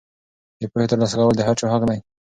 د پوهې ترلاسه کول د هر چا حق دی.